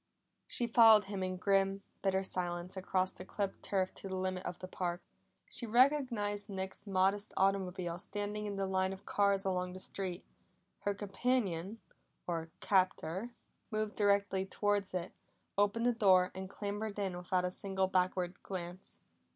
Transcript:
She followed him in grim, bitter silence across the clipped turf to the limit of the park. She recognized Nick's modest automobile standing in the line of cars along the street; her companion, or captor, moved directly towards it, opened the door and clambered in without a single backward glance.